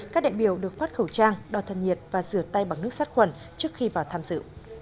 các đại biểu được phát khẩu trang đo thân nhiệt và rửa tay bằng nước sát khuẩn trước khi vào tham dự